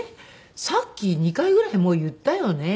さっき２回ぐらい言ったよね。